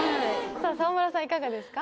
さぁ沢村さんいかがですか？